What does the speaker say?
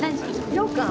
ようかん。